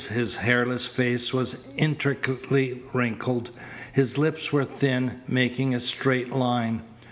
His hairless face was intricately wrinkled. His lips were thin, making a straight line.